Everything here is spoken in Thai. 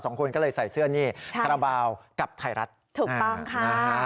คนก็เลยใส่เสื้อนี่คาราบาลกับไทยรัฐถูกต้องค่ะนะฮะ